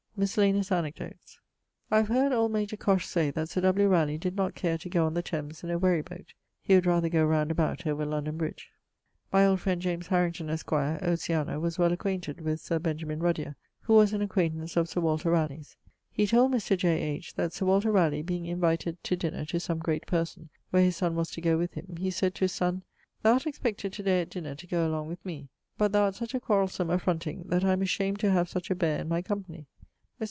<_Miscellaneous anecdotes._> I have heard old major Cosh say that Sir W. Raleigh did not care to goe on the Thames in a wherry boate: he would rather goe round about over London bridg. My old friend James Harrington, esq. [Oceana] was well acquainted with Sir Benjamin Ruddyer, who was an acquaintance of Sir Walter Ralegh's. He told Mr. J. H. that Sir Walter Ralegh being invited to dinner to some great person where his son was to goe with him, he sayd to his son 'Thou art expected to day at dinner to goe along with me, but thou art such a quarrelsome, affronting ..., that I am ashamed to have such a beare in my company.' Mr.